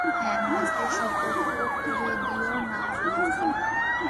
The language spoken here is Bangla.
হ্যাঁ, মাছদের সতর্ক করে দিও না, দোস্ত।